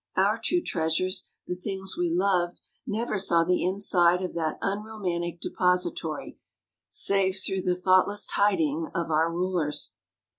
Our true treasures, the things we loved, never saw the inside of that unromantic depository save through the thoughtless tidying of our rulers.